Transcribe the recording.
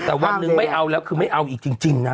แต่วันหนึ่งไม่เอาแล้วคือไม่เอาอีกจริงนะ